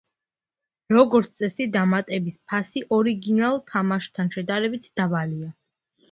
როგორც წესი, დამატების ფასი ორიგინალ თამაშთან შედარებით დაბალია.